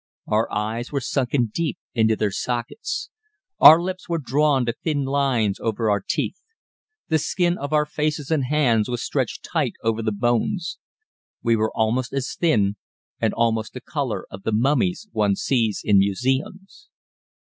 Our eyes were sunken deep into their sockets. Our lips were drawn to thin lines over our teeth. The skin of our faces and hands was stretched tight over the bones. We were almost as thin, and almost the colour of the mummies one sees in museums.